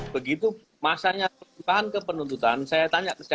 begitu masanya pertumbuhan ke penuntutan saya tanya kesaksanya